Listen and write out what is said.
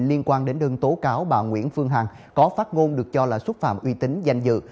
liên quan đến đơn tố cáo bà nguyễn phương hằng có phát ngôn được cho là xúc phạm uy tín danh dự